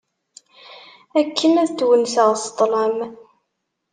Akken ad twenseɣ s ṭlam.